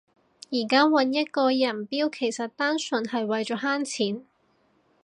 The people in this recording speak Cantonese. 而家搵一個人標其實單純係為咗慳錢